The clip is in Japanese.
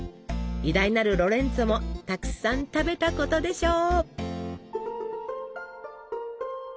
偉大なるロレンツォもたくさん食べたことでしょう。